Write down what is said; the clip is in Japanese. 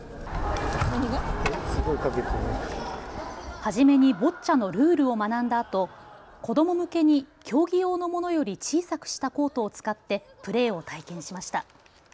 初めにボッチャのルールを学んだあと、子ども向けに競技用のものより小さくしたコートを使ってプレーを体験しました。